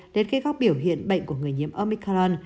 đến kết góc biểu hiện bệnh của người nhiễm omicron